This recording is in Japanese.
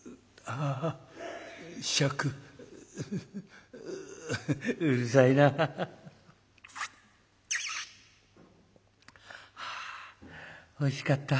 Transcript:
「あおいしかった。